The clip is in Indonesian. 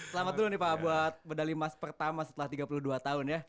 selamat dulu nih pak buat medali emas pertama setelah tiga puluh dua tahun ya